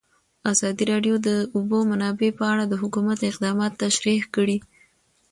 ازادي راډیو د د اوبو منابع په اړه د حکومت اقدامات تشریح کړي.